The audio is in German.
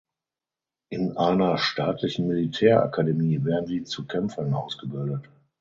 In einer staatlichen Militärakademie werden sie zu Kämpfern ausgebildet.